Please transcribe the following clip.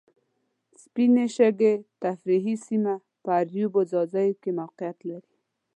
سپینې شګې تفریحي سیمه په اریوب ځاځیو کې موقیعت لري.